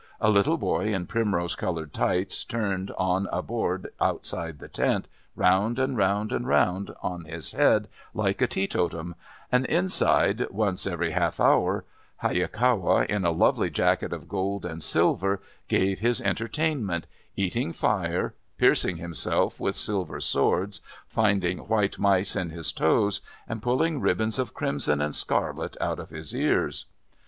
A little boy in primrose coloured tights turned, on a board outside the tent, round and round and round on his head like a teetotum, and inside, once every half hour, Hayakawa, in a lovely jacket of gold and silver, gave his entertainment, eating fire, piercing himself with silver swords, finding white mice in his toes, and pulling ribbons of crimson and scarlet out of his ears.